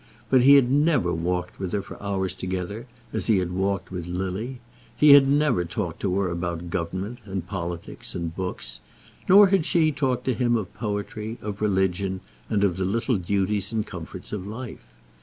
But he had never walked with her for hours together as he had walked with Lily. He had never talked to her about government, and politics, and books, nor had she talked to him of poetry, of religion, and of the little duties and comforts of life.